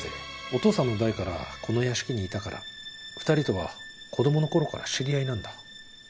お父さんの代からこの屋敷にいたから２人とは子供のころから知り合いなんだ。